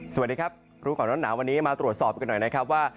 สวัสดีครับรู้ก่อนร้อนหนาววันนี้มาตรวจสอบกันหน่อยนะครับว่า